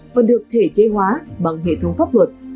và được thể chế hóa bằng hệ thống pháp luật